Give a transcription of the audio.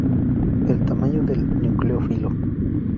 El tamaño del nucleófilo.